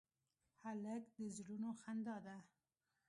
هلک د زړونو خندا ده.